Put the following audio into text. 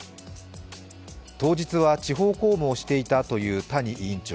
当日は地方公務をしていたという谷委員長。